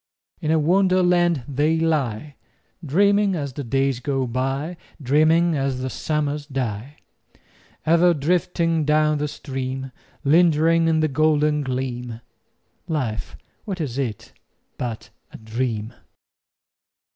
In a Wonderland they lie, Dreaming as the days go by, Dreaming as the summers die: Ever drifting down the stream— Lingering in the golden gleam— Life, what is it but a dream?